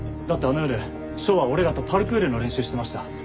だってあの夜翔は俺らとパルクールの練習してました。